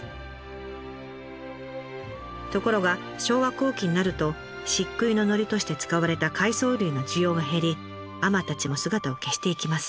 ところが昭和後期になると漆喰ののりとして使われた海藻類の需要が減り海女たちも姿を消していきます。